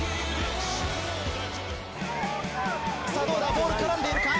ボールに絡んでいるか？